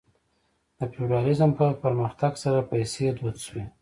د فیوډالیزم په پرمختګ سره پیسې دود شوې.